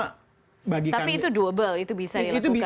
tapi itu doable itu bisa dilakukan